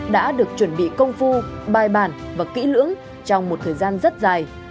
đã được chuẩn bị công phu bài bản và kỹ lưỡng trong một thời gian rất dài